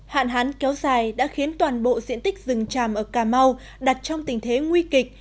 hạn hán kéo dài đã khiến toàn bộ diện tích rừng tràm ở cà mau đặt trong tình thế nguy kịch